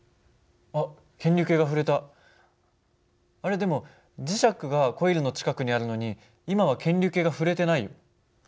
でも磁石がコイルの近くにあるのに今は検流計が振れてないよ。